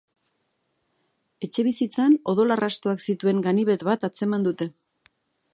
Etxebizitzan odol arrastoak zituen ganibet bat atzeman dute.